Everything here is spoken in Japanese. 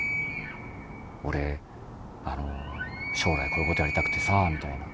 「俺将来こういう事やりたくてさ」みたいな。